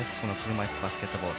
車いすバスケットボール。